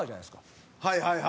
蛍原：はい、はい、はい。